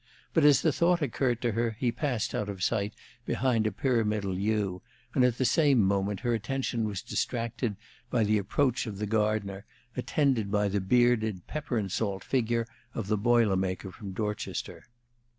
But as the thought occurred to her he passed out of sight behind a pyramidal yew, and at the same moment her attention was distracted by the approach of the gardener, attended by the bearded pepper and salt figure of the boiler maker from Dorchester.